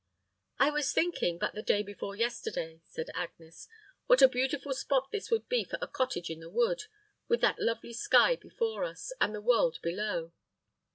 "I was thinking but the day before yesterday," said Agnes, "what a beautiful spot this would be for a cottage in the wood, with that lovely sky before us, and the world below."